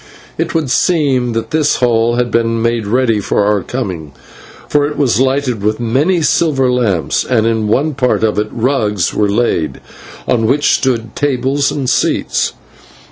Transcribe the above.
It would seem that this hall had been made ready for our coming, for it was lighted with many silver lamps, and in one part of it rugs were laid and on them stood tables and seats.